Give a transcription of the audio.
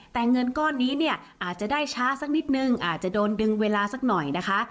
แต่เงินก้อนนี้เนี่ยอาจจะได้ช้าสักนิดนึงอาจจะโดนดึงเวลาสักหน่อยนะคะ